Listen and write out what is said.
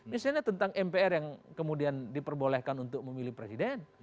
misalnya tentang mpr yang kemudian diperbolehkan untuk memilih presiden